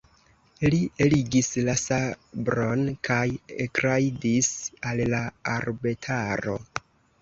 Li eligis la sabron kaj ekrajdis al la arbetaro.